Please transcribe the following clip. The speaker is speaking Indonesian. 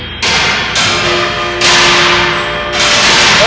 dia berada di sini